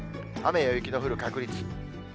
雨や雪の降る確率。